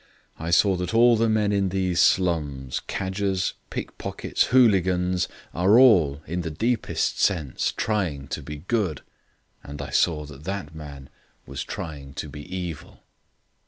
I saw that all the men in these slums, cadgers, pickpockets, hooligans, are all, in the deepest sense, trying to be good. And I saw that that man was trying to be evil."